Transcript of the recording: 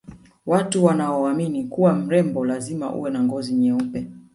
watu wanaoamini kuwa mrembo lazima uwe na ngozi nyeupe